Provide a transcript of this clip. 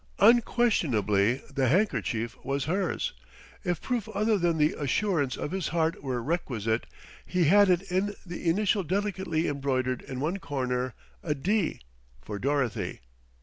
Unquestionably the handkerchief was hers; if proof other than the assurance of his heart were requisite, he had it in the initial delicately embroidered in one corner: a D, for Dorothy!...